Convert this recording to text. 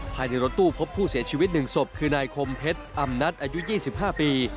ภายในรถตู้พบผู้เสียชีวิต๑ศพคือนายคมเพชรอำนัทอายุ๒๕ปี